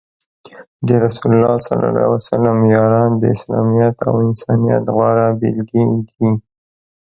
د رسول الله ص یاران د اسلامیت او انسانیت غوره بیلګې دي.